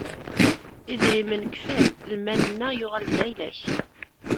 Idrimen kfan, lmal-nneɣ yuɣal d ayla-k.